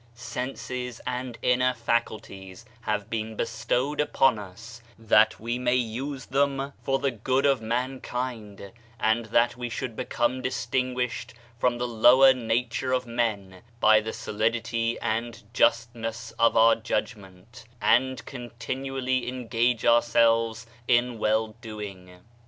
Senses and inner faculties have been bestowed up on us, that we may use them for the good of man kind, and that we should become distinguished from the lower nature of men by the solidity and jusmess of our judgment, and continually engage 7 Digitized by Google INTRODUCTION ourselves in well doing.